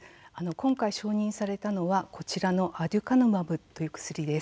今回、承認されたのは、こちらのアデュカヌマブという薬です。